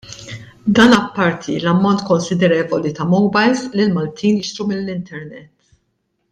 Dan apparti l-ammont konsidervoli ta' mowbajls li l-Maltin jixtru mill-internet.